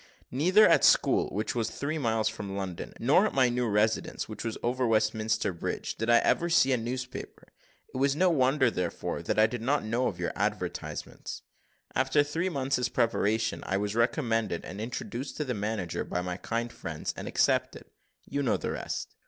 Neither at the school, which was three miles from London, nor at my new residence, which was over Westminster bridge, did I ever see a newspaper; it was no wonder, therefore, that I did not know of your advertisements. After three months' preparation I was recommended and introduced to the manager by my kind friends, and accepted. You know the rest."